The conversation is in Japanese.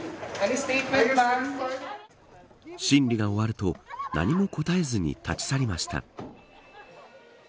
審理が終わると何も答えずに立ち去りました。